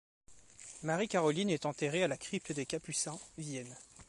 Marie-Caroline est enterrée à la Crypte des Capucins, Vienne.